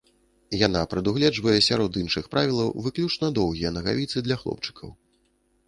Яна прадугледжвае, сярод іншых правілаў, выключна доўгія нагавіцы для хлопчыкаў.